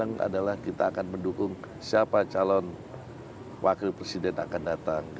saya ingin berdoa adalah kita akan mendukung siapa calon wakil presiden akan datang